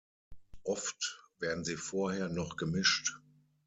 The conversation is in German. Oft werden sie vorher noch gemischt.